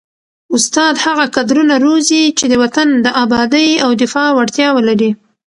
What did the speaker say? استاد هغه کدرونه روزي چي د وطن د ابادۍ او دفاع وړتیا ولري.